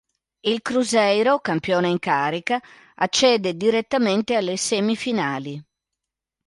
Il Cruzeiro, campione in carica, accede direttamente alle semifinali.